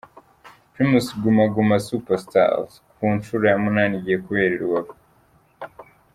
Primus Guma Guma Super Stars ku nshuro ya munani igiye kubera i Rubavu.